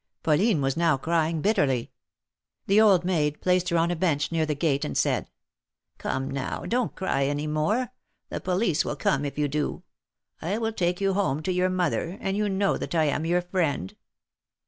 Pauline was now crying bitterly. The old maid placed her on a bench near the gate, and said : Come, now, don't cry any more ; the police will come if you do. I will take you home to your mother, and you know that I am your friend."